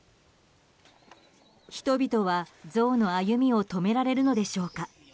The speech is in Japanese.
人々はゾウの歩みを止められるのでしょうか。